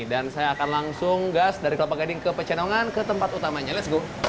dan saya akan langsung gas dari kelapa gading ke pecenongan ke tempat utamanya let's go